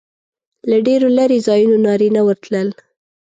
له ډېرو لرې ځایونو نارینه ورتلل.